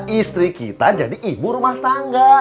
istri kita jadi ibu rumah tangga